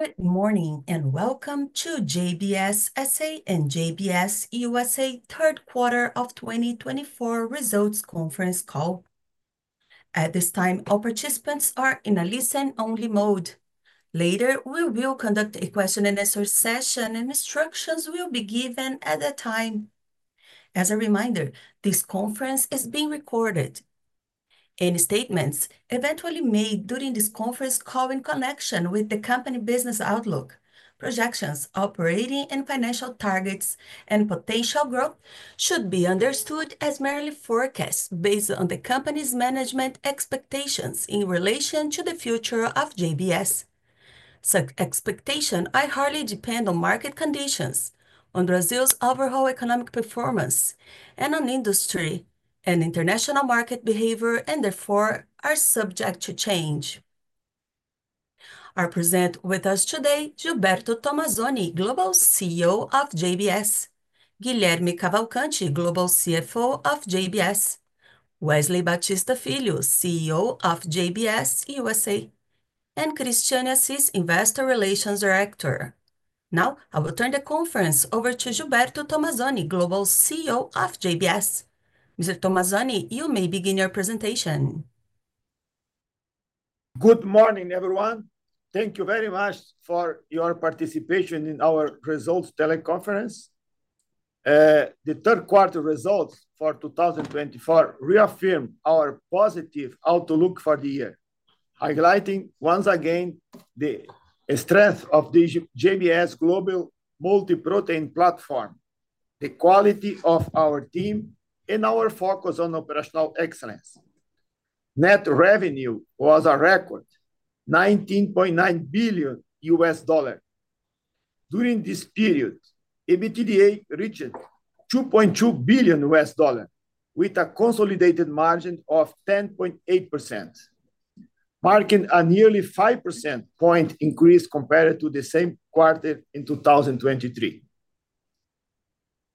Good morning and welcome to JBS S.A. and JBS USA third quarter of 2024 Results Conference Call. At this time, all participants are in a listen-only mode. Later, we will conduct a question-and-answer session, and instructions will be given at that time. As a reminder, this conference is being recorded. Any statements eventually made during this conference call in connection with the company business outlook, projections, operating and financial targets, and potential growth should be understood as merely forecasts based on the company's management expectations in relation to the future of JBS. Such expectations are highly dependent on market conditions, on Brazil's overall economic performance, and on industry and international market behavior, and therefore are subject to change. Our presenters with us today: Gilberto Tomazoni, Global CEO of JBS, Guilherme Cavalcanti, Global CFO of JBS, Wesley Batista Filho, CEO of JBS USA, and Christiane Assis, Investor Relations Director. Now, I will turn the conference over to Gilberto Tomazoni, Global CEO of JBS. Mr. Tomazoni, you may begin your presentation. Good morning, everyone. Thank you very much for your participation in our results teleconference. The third quarter results for 2024 reaffirm our positive outlook for the year, highlighting once again the strength of the JBS global multi-protein platform, the quality of our team, and our focus on operational excellence. Net revenue was a record $19.9 billion. During this period, EBITDA reached $2.2 billion, with a consolidated margin of 10.8%, marking a nearly 5 percentage point increase compared to the same quarter in 2023.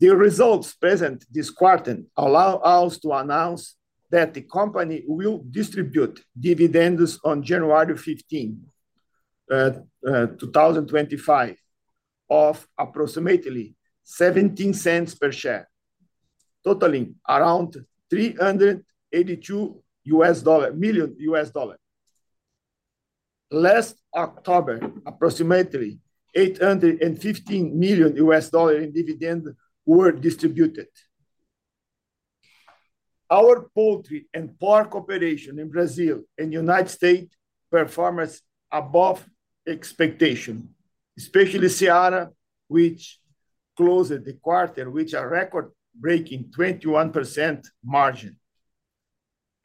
The results presented this quarter allow us to announce that the company will distribute dividends on January 15, 2025, of approximately $0.17 per share, totaling around $382 million. Last October, approximately $815 million in dividends were distributed. Our poultry and pork operation in Brazil and the United States performed above expectation, especially Seara, which closed the quarter with a record-breaking 21% margin.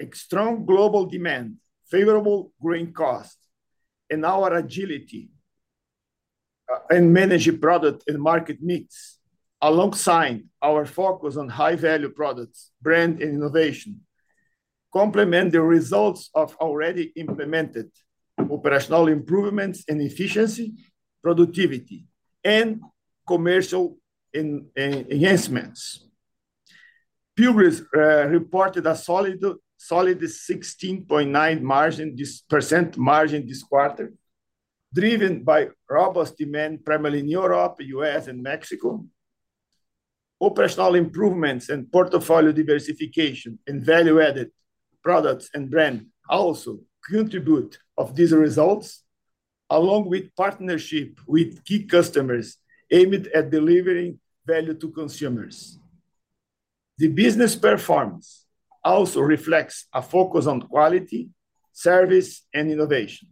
A strong global demand, favorable grain costs, and our agility in managing product and market needs, alongside our focus on high-value products, brand, and innovation, complement the results of already implemented operational improvements in efficiency, productivity, and commercial enhancements. Pilgrim's reported a solid 16.9% margin this quarter, driven by robust demand, primarily in Europe, the U.S., and Mexico. Operational improvements and portfolio diversification and value-added products and brands also contribute to these results, along with partnerships with key customers aimed at delivering value to consumers. The business performance also reflects a focus on quality, service, and innovation.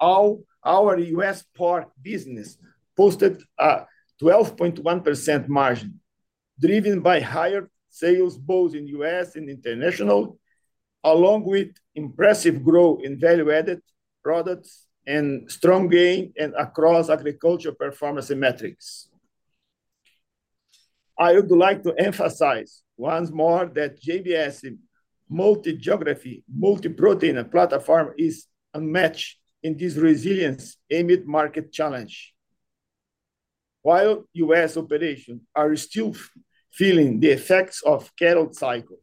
Our U.S. pork business posted a 12.1% margin, driven by higher sales both in the U.S. and international, along with impressive growth in value-added products and strong gain across agricultural performance and metrics. I would like to emphasize once more that JBS's multi-geography, multi-protein platform is unmatched in this resilience amid market challenges. While U.S. operations are still feeling the effects of the cattle cycle,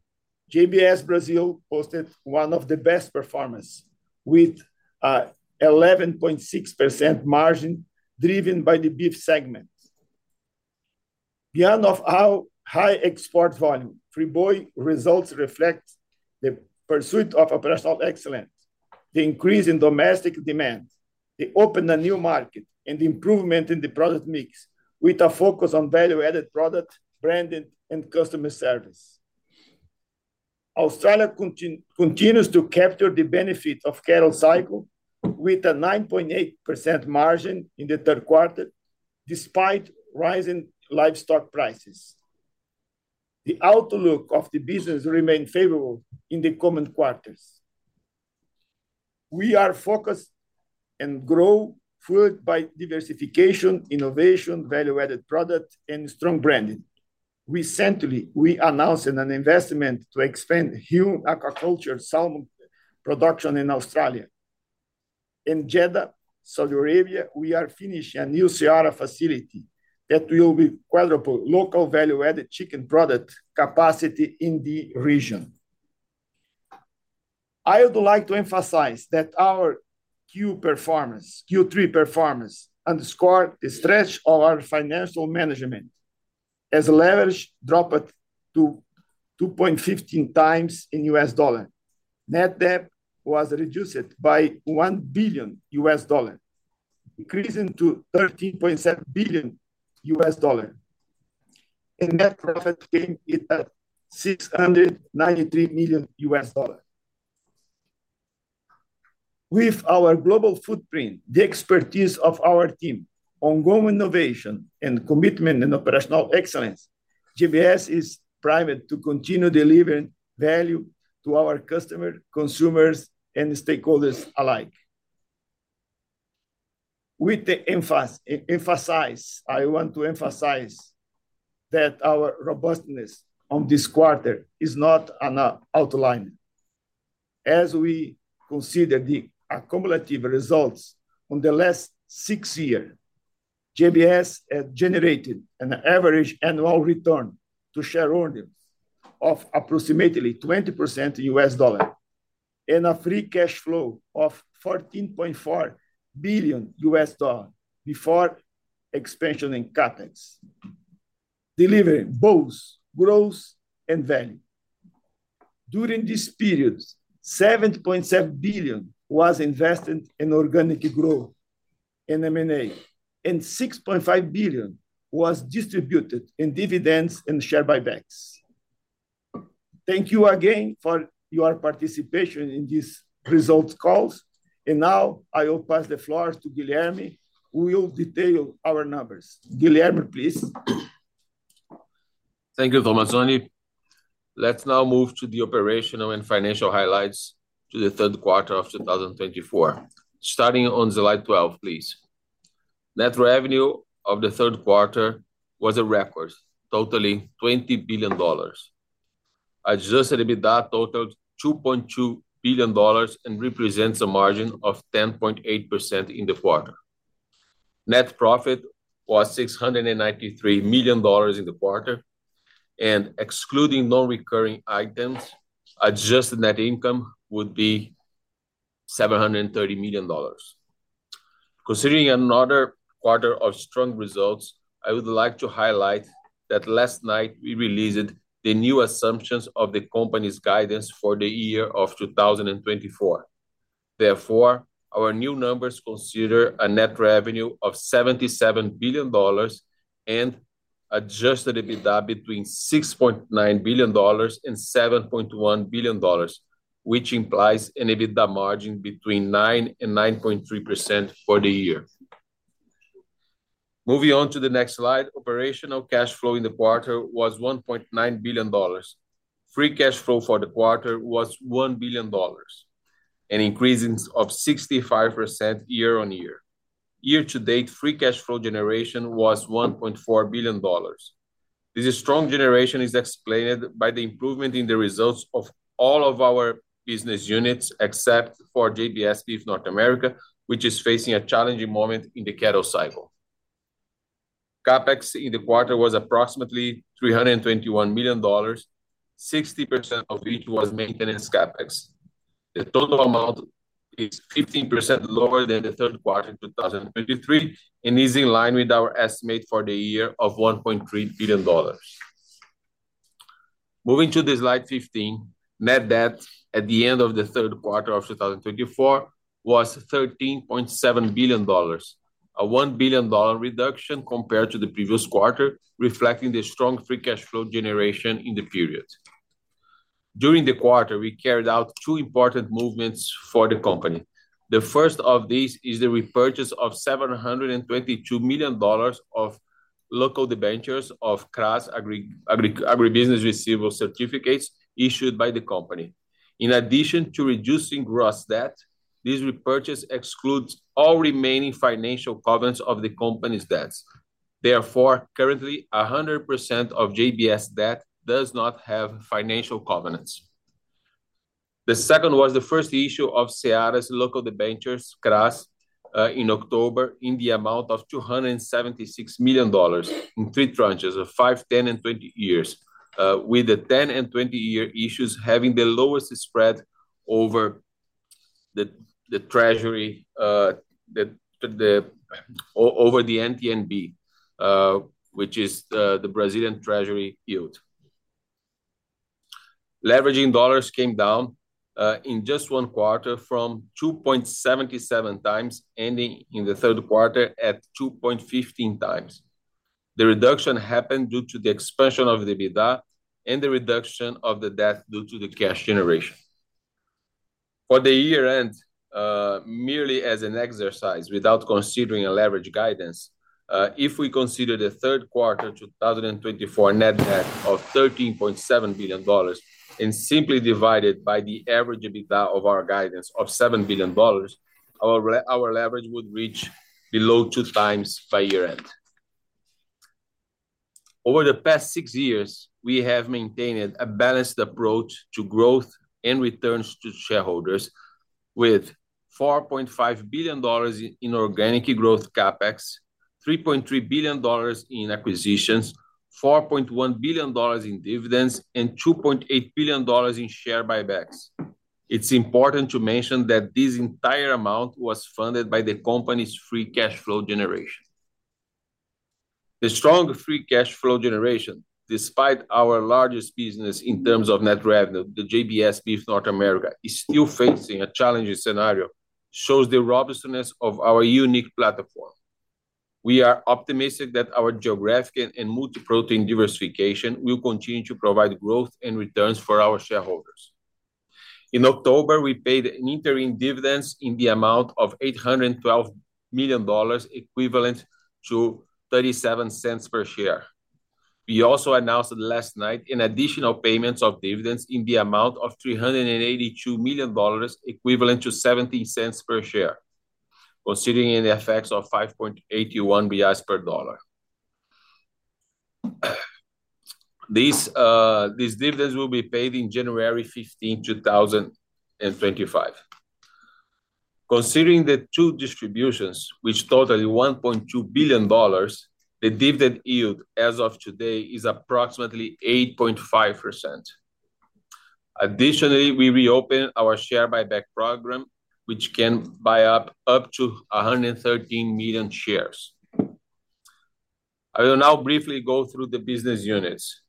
JBS Brazil posted one of the best performances with an 11.6% margin, driven by the beef segment. Beyond our high export volume, Friboi results reflect the pursuit of operational excellence, the increase in domestic demand, the open and new market, and the improvement in the product mix, with a focus on value-added product, branding, and customer service. Australia continues to capture the benefits of the cattle cycle with a 9.8% margin in the third quarter, despite rising livestock prices. The outlook of the business remains favorable in the coming quarters. We are focused and growing further by diversification, innovation, value-added product, and strong branding. Recently, we announced an investment to expand Huon Aquaculture salmon production in Australia. In Jeddah, Saudi Arabia, we are finishing a new Seara facility that will quadruple local value-added chicken product capacity in the region. I would like to emphasize that our Q3 performance underscored the strength of our financial management, as leverage dropped to 2.15 times in U.S. dollars. Net debt was reduced by $1 billion, decreasing to $13.7 billion. And net profit came in at $693 million. With our global footprint, the expertise of our team, ongoing innovation, and commitment in operational excellence, JBS is primed to continue delivering value to our customers, consumers, and stakeholders alike. With the emphasis, I want to emphasize that our robustness on this quarter is not an outlier. As we consider the cumulative results on the last six years, JBS has generated an average annual return to shareholders of approximately 20% US dollars and a free cash flow of $14.4 billion before expansion in CapEx, delivering both growth and value. During this period, $7.7 billion was invested in organic growth and M&A, and $6.5 billion was distributed in dividends and share buybacks. Thank you again for your participation in these results calls. Now, I will pass the floor to Guilherme, who will detail our numbers. Guilherme, please. Thank you, Tomazoni. Let's now move to the operational and financial highlights to the third quarter of 2024, starting on Slide 12, please. Net revenue of the third quarter was a record, totaling $20 billion. Adjusted EBITDA totaled $2.2 billion and represents a margin of 10.8% in the quarter. Net profit was $693 million in the quarter, and excluding non-recurring items, adjusted net income would be $730 million. Considering another quarter of strong results, I would like to highlight that last night we released the new assumptions of the company's guidance for the year of 2024. Therefore, our new numbers consider a net revenue of $77 billion and adjusted EBITDA between $6.9 billion and $7.1 billion, which implies an EBITDA margin between 9% and 9.3% for the year. Moving on to the next slide, operational cash flow in the quarter was $1.9 billion. Free cash flow for the quarter was $1 billion, an increase of 65% year on year. Year to date, free cash flow generation was $1.4 billion. This strong generation is explained by the improvement in the results of all of our business units, except for JBS Beef North America, which is facing a challenging moment in the cattle cycle. CapEx in the quarter was approximately $321 million, 60% of which was maintenance CapEx. The total amount is 15% lower than the third quarter in 2023 and is in line with our estimate for the year of $1.3 billion. Moving to Slide 15, net debt at the end of the third quarter of 2024 was $13.7 billion, a $1 billion reduction compared to the previous quarter, reflecting the strong free cash flow generation in the period. During the quarter, we carried out two important movements for the company. The first of these is the repurchase of $722 million of local debentures of CRA agribusiness receivables certificates issued by the company. In addition to reducing gross debt, this repurchase excludes all remaining financial covenants of the company's debts. Therefore, currently, 100% of JBS debt does not have financial covenants. The second was the first issue of Seara's local debentures, CRA, in October in the amount of $276 million in three tranches of 5, 10, and 20 years, with the 10 and 20-year issues having the lowest spread over the treasury over the NTN-B, which is the Brazilian Treasury yield. Leverage in dollars came down in just one quarter from 2.77 times, ending in the third quarter at 2.15 times. The reduction happened due to the expansion of EBITDA and the reduction of the debt due to the cash generation. For the year-end, merely as an exercise without considering a leverage guidance, if we consider the third quarter 2024 net debt of $13.7 billion and simply divide it by the average EBITDA of our guidance of $7 billion, our leverage would reach below two times by year-end. Over the past six years, we have maintained a balanced approach to growth and returns to shareholders, with $4.5 billion in organic growth CapEx, $3.3 billion in acquisitions, $4.1 billion in dividends, and $2.8 billion in share buybacks. It's important to mention that this entire amount was funded by the company's free cash flow generation. The strong free cash flow generation, despite our largest business in terms of net revenue, the JBS Beef North America, is still facing a challenging scenario, shows the robustness of our unique platform. We are optimistic that our geographic and multi-protein diversification will continue to provide growth and returns for our shareholders. In October, we paid an interim dividend in the amount of $812 million, equivalent to $0.37 per share. We also announced last night an additional payment of dividends in the amount of $382 million, equivalent to $0.17 per share, considering the effects of 5.81 BRL per dollar. These dividends will be paid on January 15, 2025. Considering the two distributions, which totaled $1.2 billion, the dividend yield as of today is approximately 8.5%. Additionally, we reopened our share buyback program, which can buy up to 113 million shares. I will now briefly go through the business units.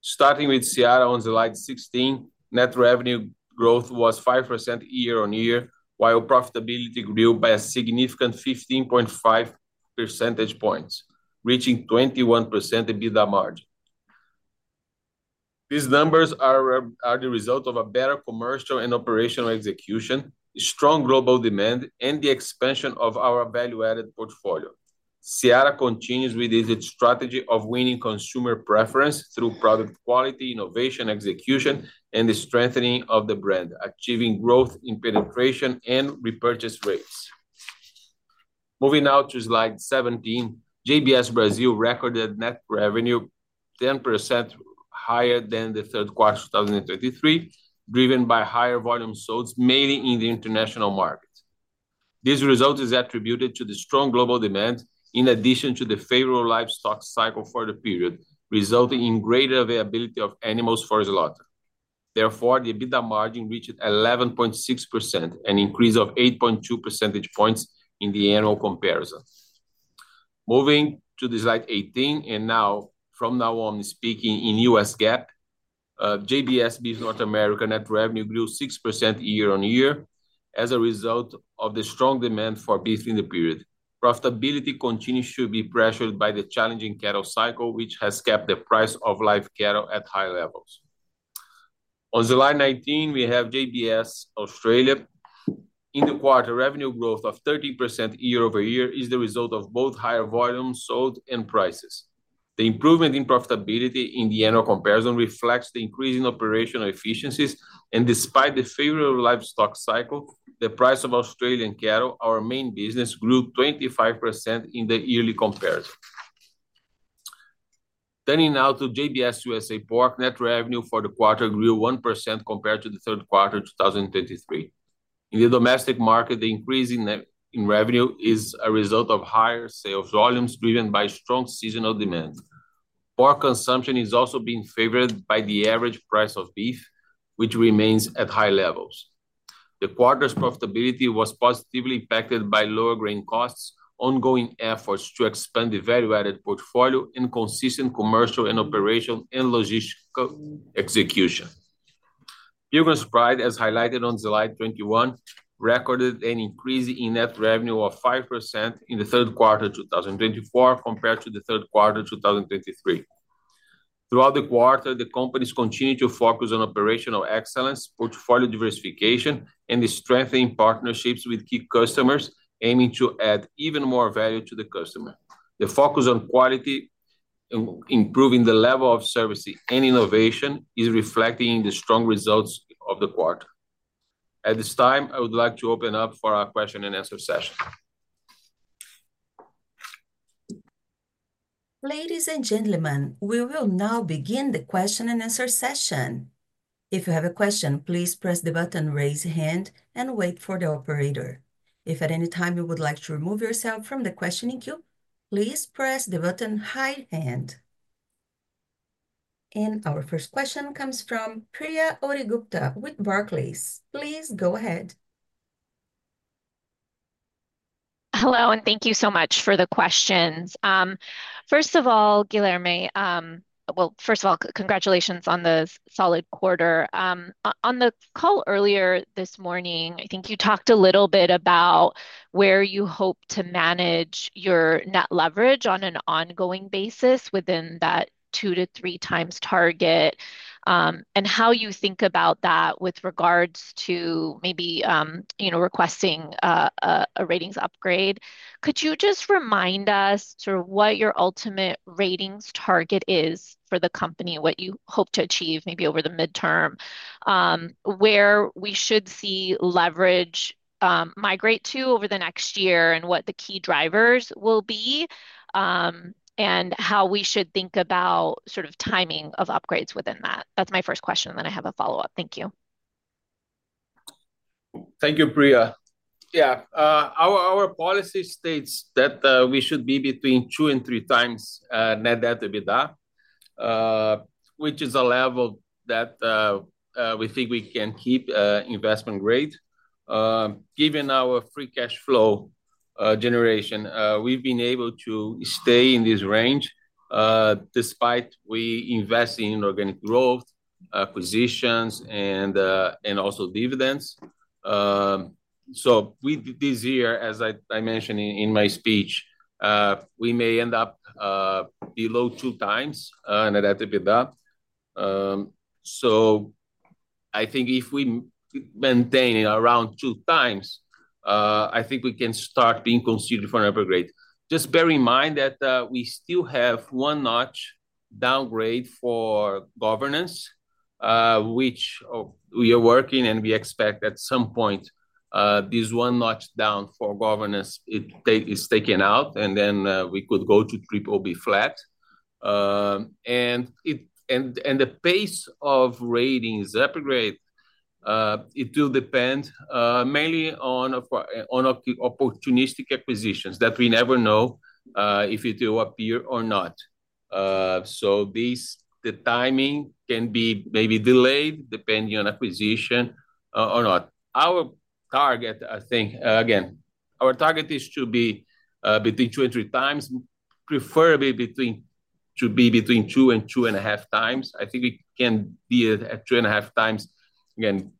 Starting with Seara on slide 16, net revenue growth was 5% year on year, while profitability grew by a significant 15.5 percentage points, reaching 21% EBITDA margin. These numbers are the result of a better commercial and operational execution, strong global demand, and the expansion of our value-added portfolio. Seara continues with its strategy of winning consumer preference through product quality, innovation, execution, and the strengthening of the brand, achieving growth in penetration and repurchase rates. Moving now to slide 17, JBS Brazil recorded net revenue 10% higher than the third quarter 2023, driven by higher volume sold, mainly in the international market. This result is attributed to the strong global demand, in addition to the favorable livestock cycle for the period, resulting in greater availability of animals for slaughter. Therefore, the EBITDA margin reached 11.6%, an increase of 8.2 percentage points in the annual comparison. Moving to slide 18, and now from now on speaking in US GAAP, JBS Beef North America net revenue grew 6% year on year as a result of the strong demand for beef in the period. Profitability continues to be pressured by the challenging cattle cycle, which has kept the price of live cattle at high levels. On slide 19, we have JBS Australia. In the quarter, revenue growth of 13% year over year is the result of both higher volume sold and prices. The improvement in profitability in the annual comparison reflects the increase in operational efficiencies, and despite the favorable livestock cycle, the price of Australian cattle, our main business, grew 25% in the yearly comparison. Turning now to JBS USA Pork, net revenue for the quarter grew 1% compared to the third quarter 2023. In the domestic market, the increase in revenue is a result of higher sales volumes driven by strong seasonal demand. Pork consumption is also being favored by the average price of beef, which remains at high levels. The quarter's profitability was positively impacted by lower grain costs, ongoing efforts to expand the value-added portfolio, and consistent commercial and operational and logistical execution. Pilgrim's Pride, as highlighted on slide 21, recorded an increase in net revenue of 5% in the third quarter 2024 compared to the third quarter 2023. Throughout the quarter, the companies continue to focus on operational excellence, portfolio diversification, and strengthening partnerships with key customers, aiming to add even more value to the customer. The focus on quality, improving the level of service, and innovation is reflected in the strong results of the quarter. At this time, I would like to open up for our question and answer session. Ladies and gentlemen, we will now begin the question and answer session. If you have a question, please press the button "Raise Hand" and wait for the operator. If at any time you would like to remove yourself from the questioning queue, please press the button "Hide Hand." And our first question comes from Priya Ohri-Gupta with Barclays. Please go ahead. Hello, and thank you so much for the questions. First of all, Guilherme, congratulations on the solid quarter. On the call earlier this morning, I think you talked a little bit about where you hope to manage your net leverage on an ongoing basis within that two to three times target and how you think about that with regards to maybe requesting a ratings upgrade. Could you just remind us sort of what your ultimate ratings target is for the company, what you hope to achieve maybe over the midterm, where we should see leverage migrate to over the next year, and what the key drivers will be, and how we should think about sort of timing of upgrades within that? That's my first question, and then I have a follow-up. Thank you. Thank you, Priya. Yeah, our policy states that we should be between two and three times net debt EBITDA, which is a level that we think we can keep investment grade. Given our free cash flow generation, we've been able to stay in this range despite we investing in organic growth, acquisitions, and also dividends. So this year, as I mentioned in my speech, we may end up below two times net debt EBITDA. So I think if we maintain around two times, I think we can start being considered for an upgrade. Just bear in mind that we still have one notch downgrade for governance, which we are working, and we expect at some point this one notch down for governance is taken out, and then we could go to BBB flat. The pace of ratings upgrade, it will depend mainly on opportunistic acquisitions that we never know if it will appear or not. The timing can be maybe delayed depending on acquisition or not. Our target, I think, again, our target is to be between two and three times, preferably to be between two and two and a half times. I think it can be at two and a half times, again,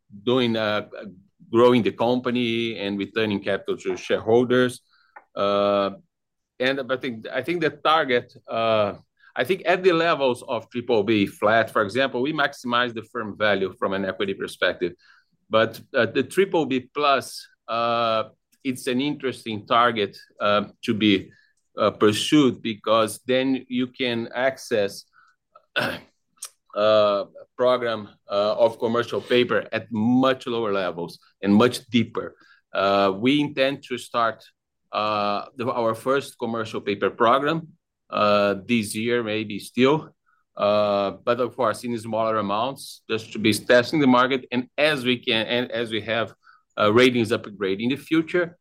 growing the company and returning capital to shareholders. I think the target, I think at the levels of BBB flat, for example, we maximize the firm value from an equity perspective. The BBB+, it's an interesting target to be pursued because then you can access a program of commercial paper at much lower levels and much deeper. We intend to start our first commercial paper program this year, maybe still, but of course in smaller amounts just to be testing the market, and as we have ratings upgrade in the future,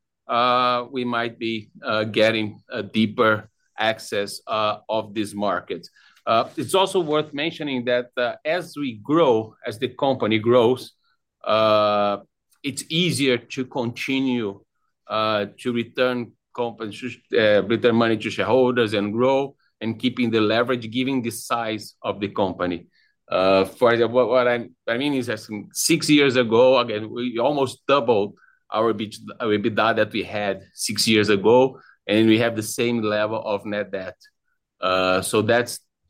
we might be getting a deeper access to this market. It's also worth mentioning that as we grow, as the company grows, it's easier for companies to return money to shareholders and grow, keeping the leverage, given the size of the company. For example, what I mean is, six years ago, again, we almost doubled our EBITDA that we had six years ago, and we have the same level of net debt, so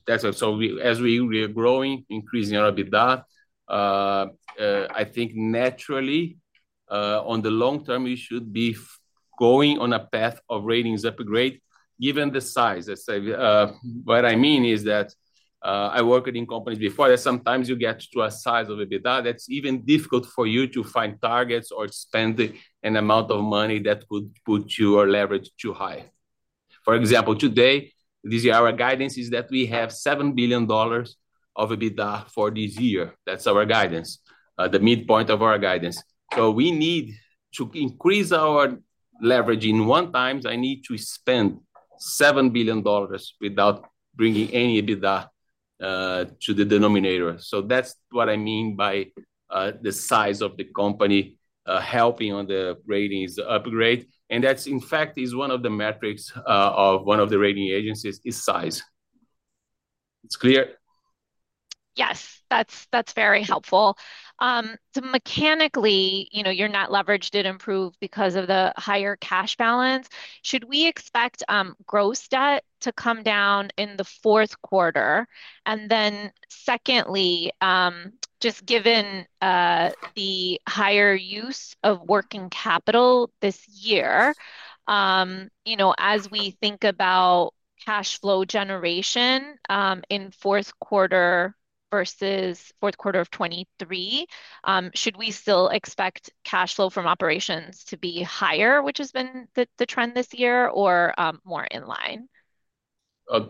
as we are growing, increasing our EBITDA, I think naturally in the long term, we should be going on a path of ratings upgrade, given the size. What I mean is that I worked in companies before that sometimes you get to a size of EBITDA that's even difficult for you to find targets or spend an amount of money that could put your leverage too high. For example, today, our guidance is that we have $7 billion of EBITDA for this year. That's our guidance, the midpoint of our guidance. So we need to increase our leverage in one time. I need to spend $7 billion without bringing any EBITDA to the denominator. So that's what I mean by the size of the company helping on the ratings upgrade. And that's, in fact, is one of the metrics of one of the rating agencies is size. It's clear? Yes, that's very helpful. Mechanically, your net leverage did improve because of the higher cash balance. Should we expect gross debt to come down in the fourth quarter? And then secondly, just given the higher use of working capital this year, as we think about cash flow generation in fourth quarter versus fourth quarter of 2023, should we still expect cash flow from operations to be higher, which has been the trend this year, or more in line?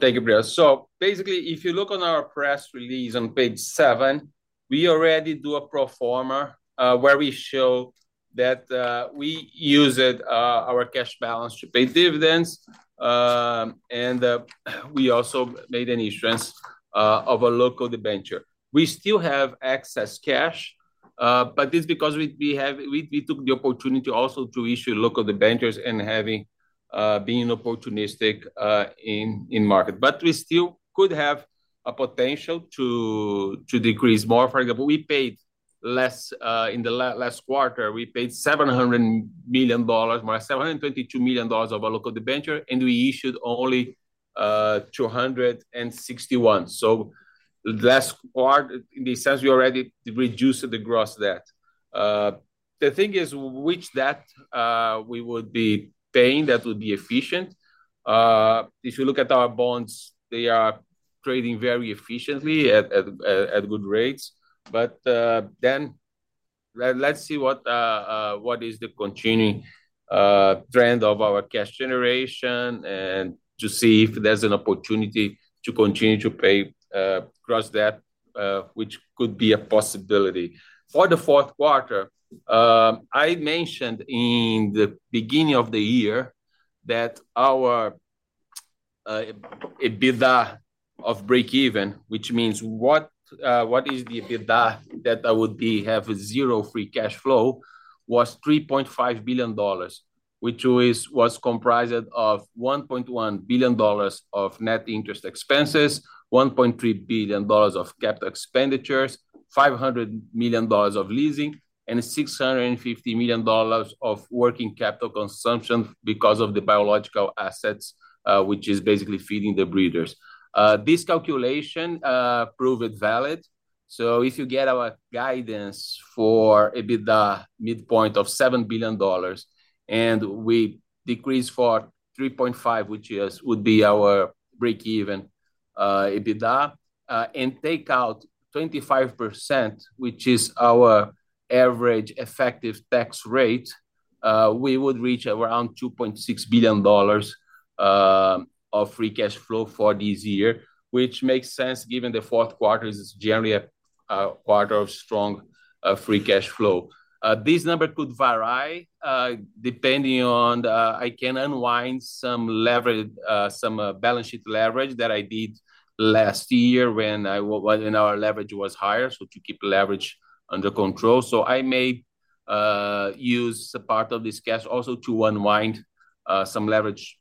Thank you, Priya. So basically, if you look on our press release on page seven, we already do a pro forma where we show that we use our cash balance to pay dividends, and we also made an issuance of a local debenture. We still have excess cash, but it's because we took the opportunity also to issue local debentures and being opportunistic in market. But we still could have a potential to decrease more. For example, we paid less in the last quarter. We paid $700 million, more $722 million of a local debenture, and we issued only 261. So last quarter, in the sense, we already reduced the gross debt. The thing is which debt we would be paying that would be efficient. If you look at our bonds, they are trading very efficiently at good rates. But then let's see what is the continuing trend of our cash generation and to see if there's an opportunity to continue to pay gross debt, which could be a possibility. For the fourth quarter, I mentioned in the beginning of the year that our EBITDA of breakeven, which means what is the EBITDA that I would have zero free cash flow, was $3.5 billion, which was comprised of $1.1 billion of net interest expenses, $1.3 billion of capital expenditures, $500 million of leasing, and $650 million of working capital consumption because of the biological assets, which is basically feeding the breeders. This calculation proved valid. So if you get our guidance for EBITDA midpoint of $7 billion and we decrease for 3.5, which would be our breakeven EBITDA, and take out 25%, which is our average effective tax rate, we would reach around $2.6 billion of free cash flow for this year, which makes sense given the fourth quarter is generally a quarter of strong free cash flow. This number could vary depending on I can unwind some balance sheet leverage that I did last year when our leverage was higher, so to keep leverage under control. So I may use a part of this cash also to unwind some leverage,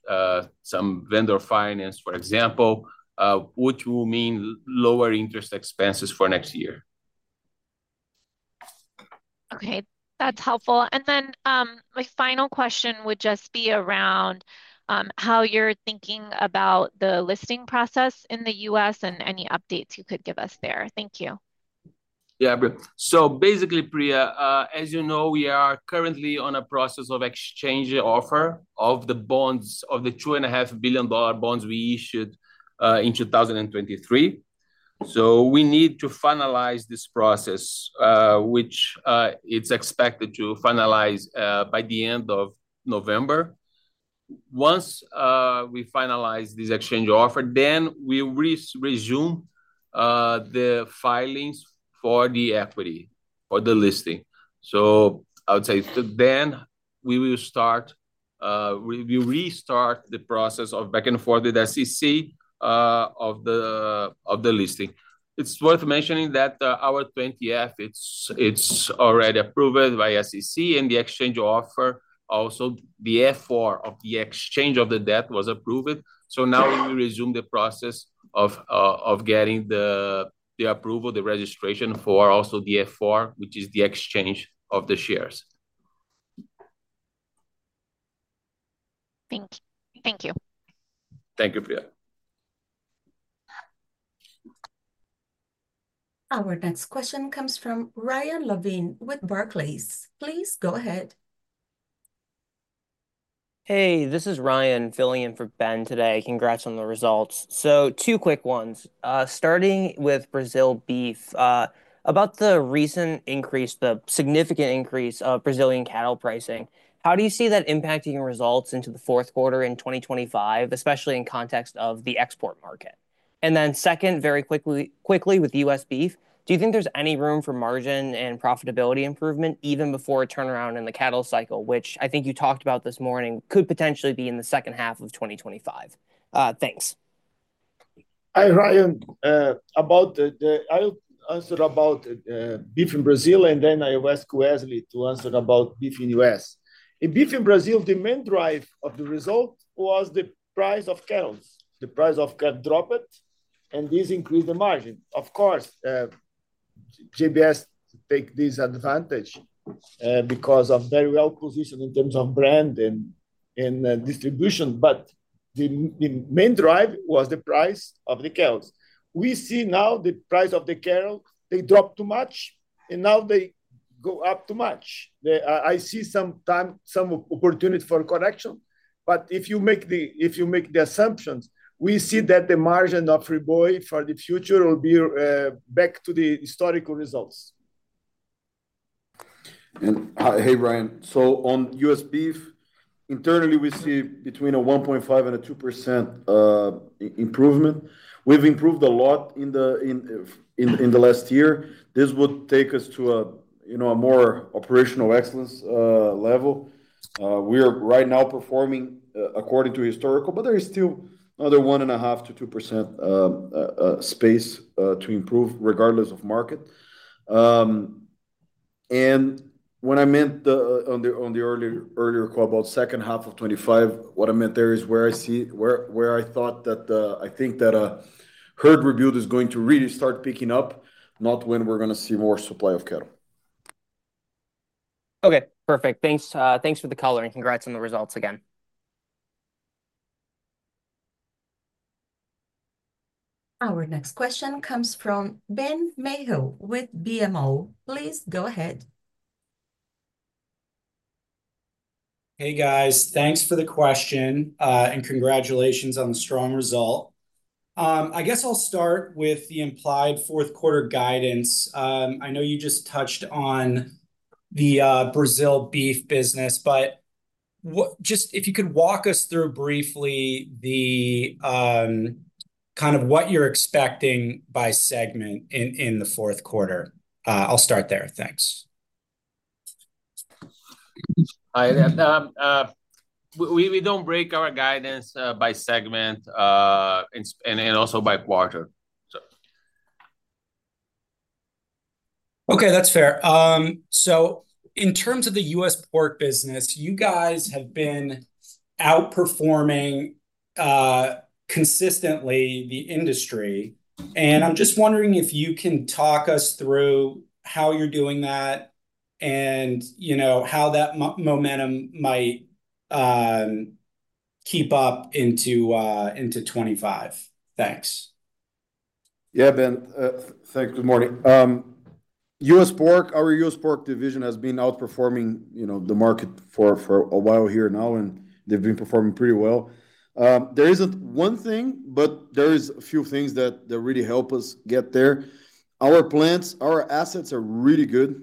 some vendor finance, for example, which will mean lower interest expenses for next year. Okay, that's helpful. And then my final question would just be around how you're thinking about the listing process in the U.S. and any updates you could give us there? Thank you. Yeah, so basically, Priya, as you know, we are currently on a process of exchange offer of the bonds of the $2.5 billion bonds we issued in 2023. So we need to finalize this process, which it's expected to finalize by the end of November. Once we finalize this exchange offer, then we resume the filings for the equity or the listing. So I would say then we will start, we restart the process of back and forth with SEC of the listing. It's worth mentioning that our 20-F, it's already approved by SEC and the exchange offer. Also the F-4 of the exchange of the debt was approved. So now we resume the process of getting the approval, the registration for also the F-4, which is the exchange of the shares. Thank you. Thank you, Priya. Our next question comes from Ryan Levine with Barclays. Please go ahead. Hey, this is Ryan filling in for Ben today. Congrats on the results. So two quick ones. Starting with Brazil beef, about the recent increase, the significant increase of Brazilian cattle pricing, how do you see that impacting results into the fourth quarter in 2025, especially in context of the export market? And then second, very quickly with US beef, do you think there's any room for margin and profitability improvement even before a turnaround in the cattle cycle, which I think you talked about this morning could potentially be in the second half of 2025? Thanks. Hi, Ryan. About that, I'll answer about beef in Brazil, and then I'll ask Wesley to answer about beef in the U.S. In beef in Brazil, the main driver of the result was the price of cattle. The price of cattle dropped, and this increased the margin. Of course, JBS took this advantage because we are very well positioned in terms of brand and distribution, but the main driver was the price of the cattle. We see now the price of the cattle. They dropped too much, and now they go up too much. I see some opportunity for correction, but if you make the assumptions, we see that the margin of Friboi for the future will be back to the historical results. Hi, Ryan. So on U.S. beef, internally, we see between a 1.5 and a 2% improvement. We've improved a lot in the last year. This would take us to a more operational excellence level. We are right now performing according to historical, but there is still another one and a half to 2% space to improve regardless of market. When I meant on the earlier call about second half of 2025, what I meant there is where I thought that I think that herd rebuild is going to really start picking up, not when we're going to see more supply of cattle. Okay, perfect. Thanks for the color. Congrats on the results again. Our next question comes from Ben Theurer with BMO. Please go ahead. Hey, guys. Thanks for the question and congratulations on the strong result. I guess I'll start with the implied fourth quarter guidance. I know you just touched on the Brazil beef business, but just if you could walk us through briefly kind of what you're expecting by segment in the fourth quarter? I'll start there. Thanks. Hi. We don't break our guidance by segment and also by quarter. Okay, that's fair. So in terms of the U.S. pork business, you guys have been outperforming consistently the industry. And I'm just wondering if you can talk us through how you're doing that and how that momentum might keep up into 2025. Thanks. Yeah, Ben. Thanks. Good morning. U.S. pork, our U.S. pork division has been outperforming the market for a while here now, and they've been performing pretty well. There isn't one thing, but there are a few things that really help us get there. Our plants, our assets are really good.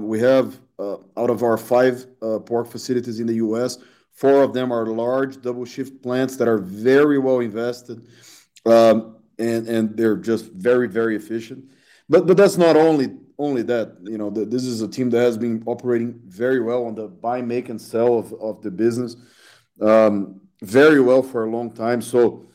We have, out of our five pork facilities in the U.S., four of them are large double-shift plants that are very well invested, and they're just very, very efficient, but that's not only that. This is a team that has been operating very well on the buy, make, and sell of the business very well for a long time, so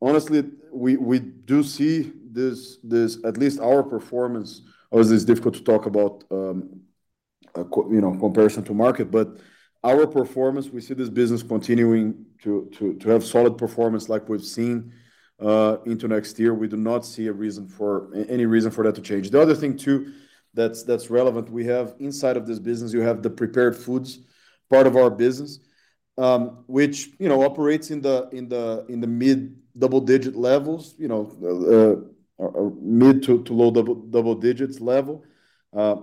honestly, we do see this, at least our performance, or this is difficult to talk about in comparison to market, but our performance, we see this business continuing to have solid performance like we've seen into next year. We do not see any reason for that to change. The other thing too that's relevant, we have inside of this business, you have the prepared foods part of our business, which operates in the mid double-digit levels, mid to low double-digits level.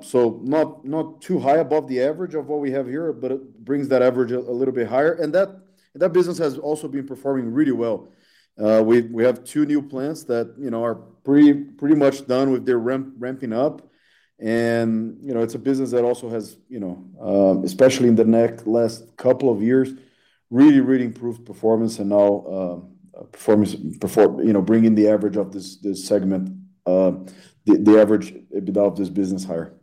So not too high above the average of what we have here, but it brings that average a little bit higher. And that business has also been performing really well. We have two new plants that are pretty much done with their ramping up. And it's a business that also has, especially in the last couple of years, really, really improved performance and now bringing the average of this segment, the average of this business higher.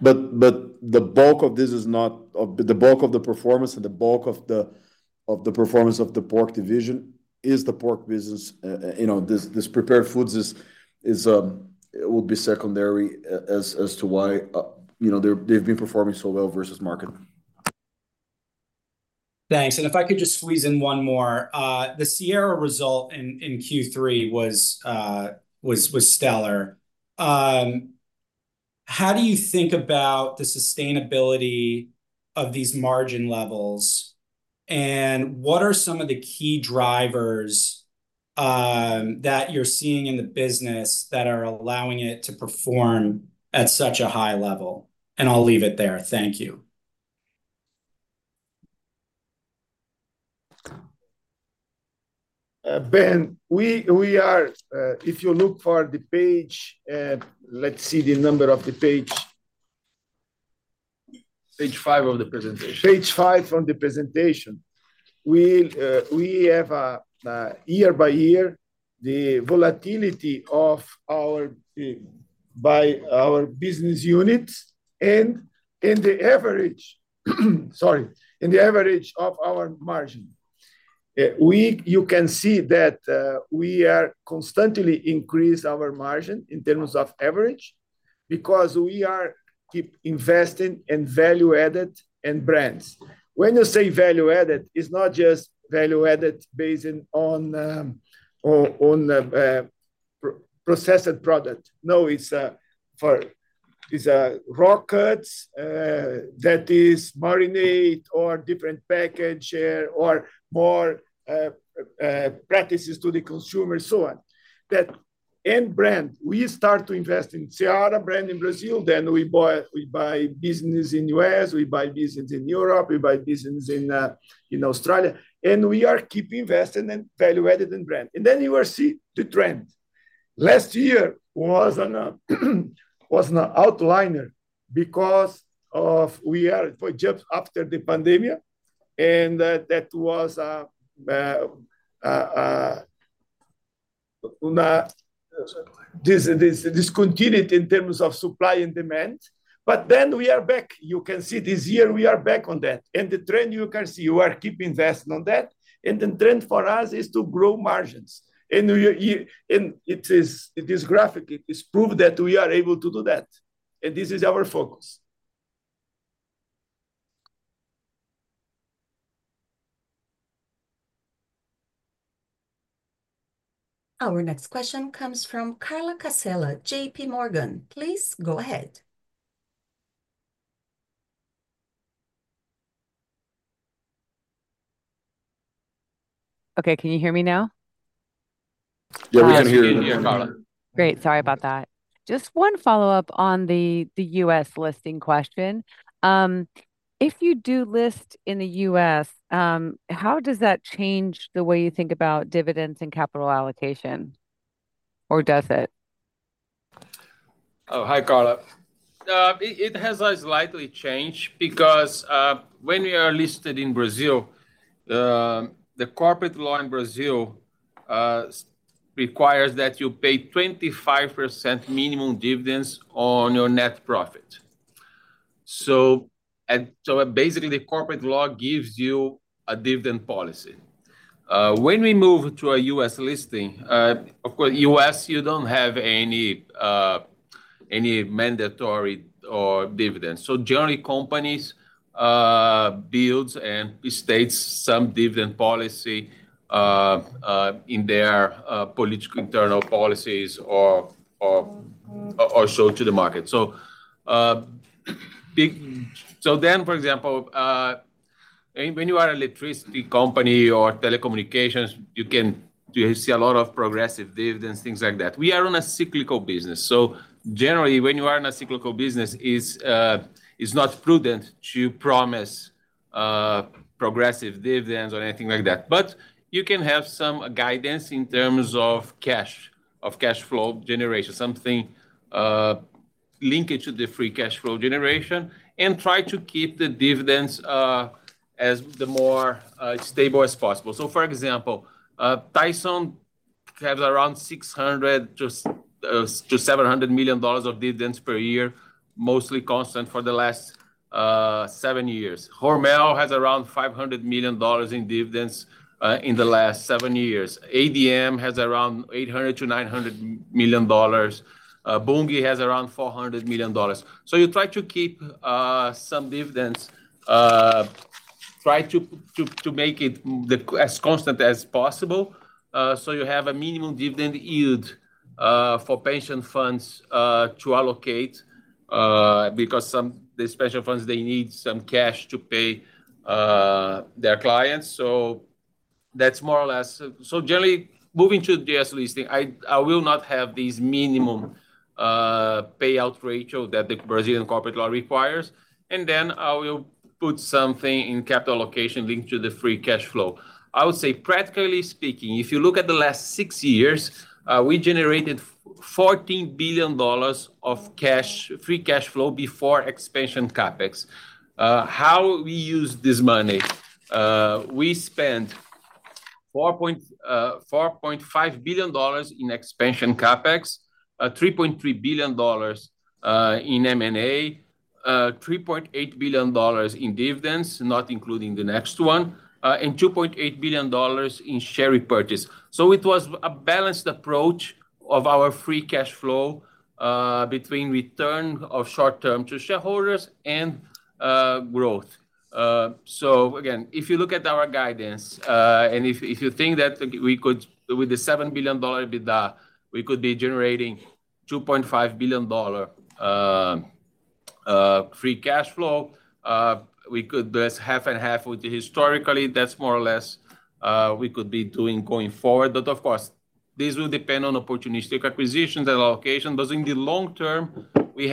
But the bulk of this is not the bulk of the performance and the bulk of the performance of the pork division is the pork business. This processed foods will be secondary to why they've been performing so well versus market. Thanks. And if I could just squeeze in one more, the Seara result in Q3 was stellar. How do you think about the sustainability of these margin levels? And what are some of the key drivers that you're seeing in the business that are allowing it to perform at such a high level? And I'll leave it there. Thank you. Ben, if you look for the page, let's see the number of the page. Page five of the presentation. Page five from the presentation. We have year by year the volatility of our business units and the average, sorry, in the average of our margin. You can see that we are constantly increasing our margin in terms of average because we are investing in value-added and brands. When you say value-added, it's not just value-added based on processed product. No, it's raw cuts that is marinate or different package or more practices to the consumer, so on. And brand, we start to invest in Seara brand in Brazil, then we buy business in the U.S., we buy business in Europe, we buy business in Australia, and we are keeping invested in value-added and brand. Then you will see the trend. Last year was an outlier because we are just after the pandemic, and that was discontinued in terms of supply and demand. But then we are back. You can see this year we are back on that. And the trend you can see, you are keeping invested on that. And the trend for us is to grow margins. And it is graphic. It is proved that we are able to do that. And this is our focus. Our next question comes from Carla Casella, JPMorgan. Please go ahead. Okay, can you hear me now? Yeah, we can hear you, Carla. Great. Sorry about that. Just one follow-up on the U.S. listing question. If you do list in the U.S., how does that change the way you think about dividends and capital allocation? Or does it? Oh, hi, Carla. It has slightly changed because when you are listed in Brazil, the corporate law in Brazil requires that you pay 25% minimum dividends on your net profit, so basically, the corporate law gives you a dividend policy. When we move to a U.S. listing, of course, U.S., you don't have any mandatory dividends, so generally, companies build and state some dividend policy in their political internal policies or show to the market, so then, for example, when you are an electricity company or telecommunications, you can see a lot of progressive dividends, things like that. We are on a cyclical business, so generally, when you are in a cyclical business, it's not prudent to promise progressive dividends or anything like that. But you can have some guidance in terms of cash flow generation, something linked to the free cash flow generation, and try to keep the dividends as stable as possible. For example, Tyson has around $600-$700 million of dividends per year, mostly constant for the last seven years. Hormel has around $500 million in dividends in the last seven years. ADM has around $800-$900 million. Bunge has around $400 million. You try to keep some dividends, try to make it as constant as possible. You have a minimum dividend yield for pension funds to allocate because some of these pension funds, they need some cash to pay their clients. That's more or less. Generally, moving to the US listing, I will not have this minimum payout ratio that the Brazilian corporate law requires. And then I will put something in capital allocation linked to the free cash flow. I would say, practically speaking, if you look at the last six years, we generated $14 billion of free cash flow before expansion CapEx. How we use this money? We spent $4.5 billion in expansion CapEx, $3.3 billion in M&A, $3.8 billion in dividends, not including the next one, and $2.8 billion in share repurchase. So it was a balanced approach of our free cash flow between return of short-term to shareholders and growth. So again, if you look at our guidance, and if you think that with the $7 billion EBITDA, we could be generating $2.5 billion free cash flow, we could do half and half, which historically, that's more or less we could be doing going forward. But of course, this will depend on opportunistic acquisitions and allocation. But in the long term, we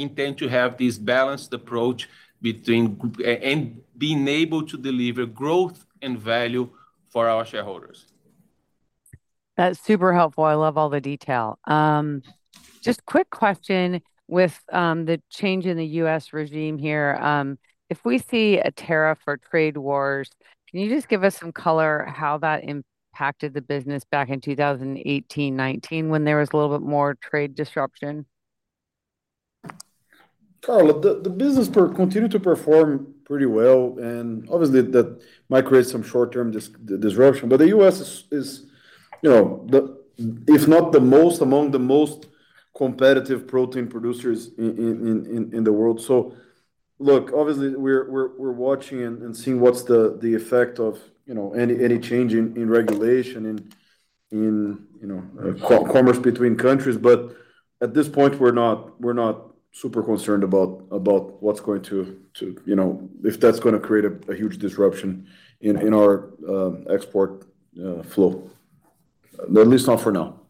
intend to have this balanced approach and being able to deliver growth and value for our shareholders. That's super helpful. I love all the detail. Just a quick question with the change in the U.S. regime here. If we see a tariff or trade wars, can you just give us some color how that impacted the business back in 2018, 2019 when there was a little bit more trade disruption? Carl, the business continued to perform pretty well. And obviously, that might create some short-term disruption. But the U.S. is, if not the most, among the most competitive protein producers in the world. So look, obviously, we're watching and seeing what's the effect of any change in regulation and commerce between countries. But at this point, we're not super concerned about what's going to, if that's going to create a huge disruption in our export flow, at least not for now.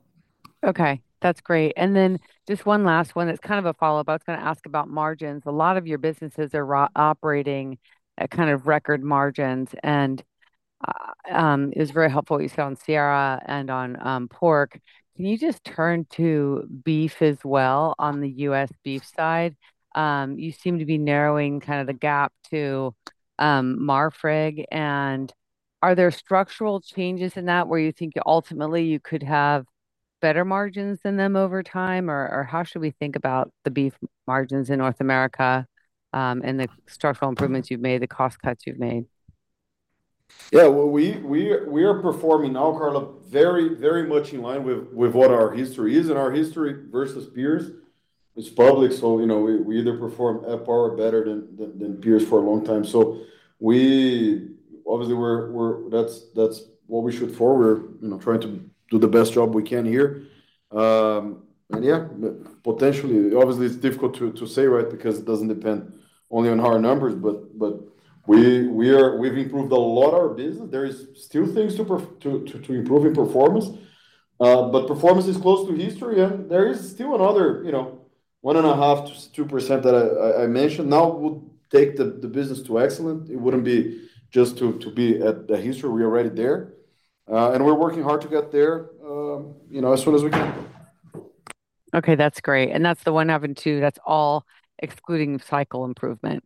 Okay. That's great, and then just one last one. It's kind of a follow-up. I was going to ask about margins. A lot of your businesses are operating at kind of record margins. And it was very helpful what you said on Seara and on pork. Can you just turn to beef as well on the U.S. beef side? You seem to be narrowing kind of the gap to Marfrig. And are there structural changes in that where you think ultimately you could have better margins than them over time? Or how should we think about the beef margins in North America and the structural improvements you've made, the cost cuts you've made? Yeah. Well, we are performing now, Carla, very, very much in line with what our history is. And our history versus peers is public. So we either performed up or better than peers for a long time. So obviously, that's what we shoot for. We're trying to do the best job we can here. And yeah, potentially, obviously, it's difficult to say, right, because it doesn't depend only on our numbers. But we've improved a lot of our business. There are still things to improve in performance. But performance is close to history. And there is still another 1.5%-2% that I mentioned now would take the business to excellent. It wouldn't be just to be at the history. We are already there. And we're working hard to get there as soon as we can. Okay. That's great. And that's the 1.2, that's all excluding cycle improvement.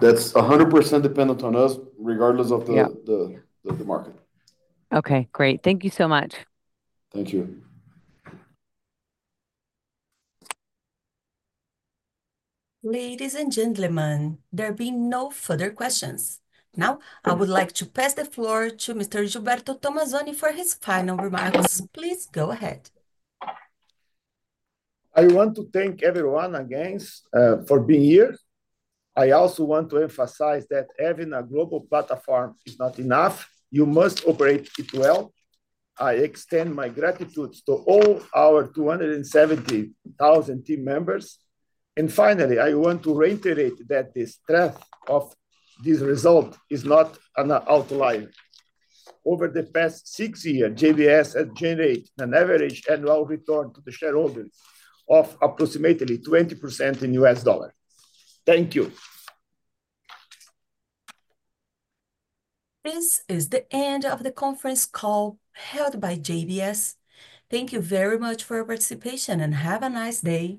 That's 100% dependent on us, regardless of the market. Okay. Great. Thank you so much. Thank you. Ladies and gentlemen, there being no further questions. Now, I would like to pass the floor to Mr. Gilberto Tomazoni for his final remarks. Please go ahead. I want to thank everyone again for being here. I also want to emphasize that having a global platform is not enough. You must operate it well. I extend my gratitude to all our 270,000 team members, and finally, I want to reiterate that the strength of this result is not an outlier. Over the past six years, JBS has generated an average annual return to the shareholders of approximately 20% in US dollars. Thank you. This is the end of the conference call held by JBS. Thank you very much for your participation and have a nice day.